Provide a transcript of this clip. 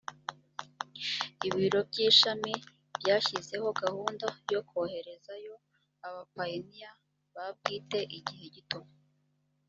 ibiro by’ishami byashyizeho gahunda yo koherezayo abapayiniya ba bwite igihe gito